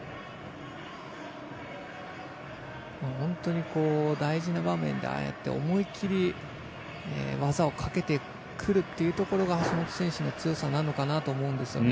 本当に大事な場面でああやって思い切り技をかけてくるというところが橋本選手の強さなのかなと思うんですよね。